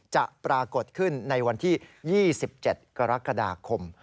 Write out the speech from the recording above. จะปรากฏขึ้นในวันที่๒๗กรกฎาคม